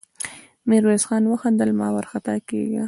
ميرويس خان وخندل: مه وارخطا کېږه!